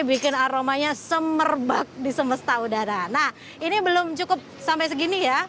bikin aromanya semerbak di semesta udara nah ini belum cukup sampai segini ya